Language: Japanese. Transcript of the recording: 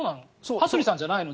羽鳥さんじゃないの？